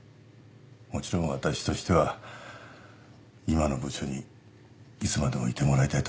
もちろん私としては今の部署にいつまでもいてもらいたいと思ってるんだ。